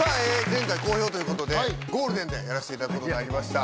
前回好評ということでゴールデンでやらせていただくことになりました